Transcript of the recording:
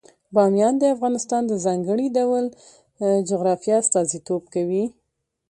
بامیان د افغانستان د ځانګړي ډول جغرافیه استازیتوب کوي.